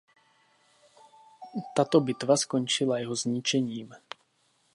Tato bitva skončila jeho zničením.